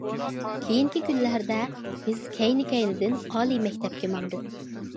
كېيىنكى كۈنلەردە بىز كەينى- كەينىدىن ئالىي مەكتەپكە ماڭدۇق.